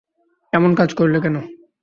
এমন কাজ করলে কেন?